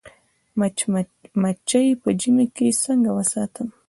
مچۍ په ژمي کې څنګه وساتم؟